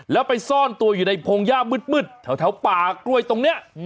แล้วไปซ่อนตัวอยู่ในพงหญ้ามืดแถวป่ากล้วยตรงนี้